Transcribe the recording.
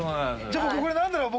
じゃあこれ何だろう？